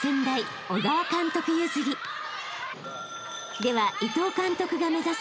［では伊藤監督が目指す